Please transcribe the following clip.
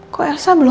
kok elsa belum